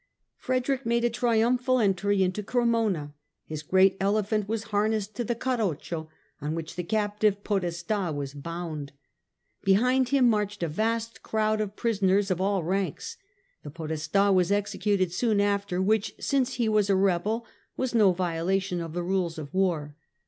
Frederick made a triumphal entry into Cremona. His great elephant was harnessed to the Carroccio, on which the captive Podesta was bound. Behind him marched a vast crowd of prisoners of all ranks. The Podesta was executed soon after, which, since he was a rebel, was no violation of the rules of war.